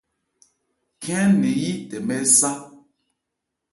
Khɛ́n ɛ́ nɛn yí tɛmɛ ɛ sá.